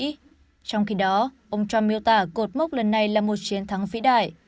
trong khi đó ông trump miêu tả cột mốc lần này là một chiến thắng vĩ đại